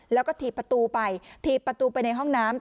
แล้วก็ถีบประตูไปถีบประตูไปในห้องน้ำ